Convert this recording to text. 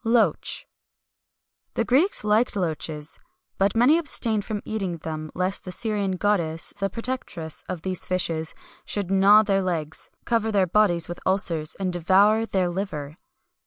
[XXI 204] LOACH. The Greeks liked loaches,[XXI 205] but many abstained from eating them, lest the Syrian goddess, the protectress of these fishes, should gnaw their legs, cover their bodies with ulcers, and devour their liver.